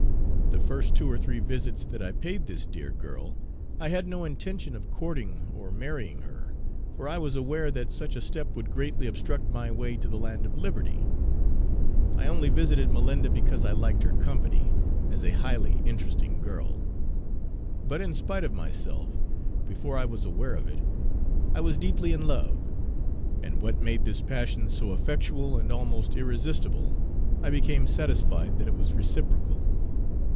The first two or three visits that I paid this dear girl, I had no intention of courting or marrying her, for I was aware that such a step would greatly obstruct my way to the land of liberty. I only visited Malinda because I liked her company, as a highly interesting girl. But in spite of myself, before I was aware of it, I was deeply in love; and what made this passion so effectual and almost irresistable, I became satisfied that it was reciprocal.